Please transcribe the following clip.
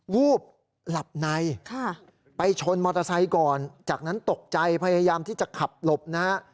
วูบหลับในไปชนมอเตอร์ไซค์ก่อนจากนั้นตกใจพยายามที่จะขับหลบนะฮะ